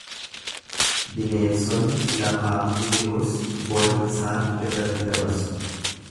Bineensonni lafaa hundinuus bona isaan irratti dabarsu.